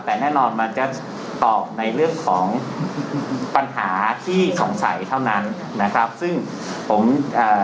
แต่แน่นอนมันจะตอบในเรื่องของปัญหาที่สงสัยเท่านั้นนะครับซึ่งผมเอ่อ